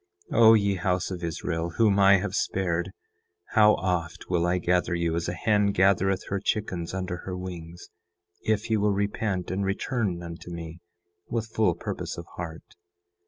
10:6 O ye house of Israel whom I have spared, how oft will I gather you as a hen gathereth her chickens under her wings, if ye will repent and return unto me with full purpose of heart.